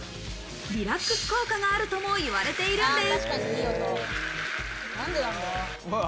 リラックス効果があるともいわれているんです。